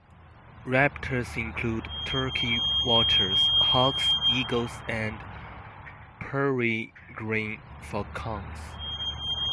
Raptors include turkey vultures, hawks, eagles, and peregrine falcons.